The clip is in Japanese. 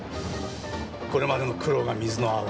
これまでの苦労が水の泡。